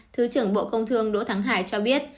thứ trưởng bộ công thương đỗ thắng hải cho biết